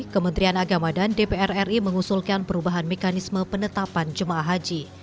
kementerian agama dan dpr ri mengusulkan perubahan mekanisme penetapan jemaah haji